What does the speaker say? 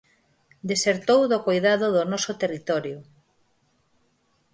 Desertou do coidado do noso territorio.